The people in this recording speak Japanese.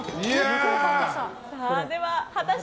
では果たして。